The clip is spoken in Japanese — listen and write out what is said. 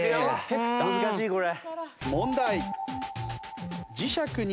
難しいこれ。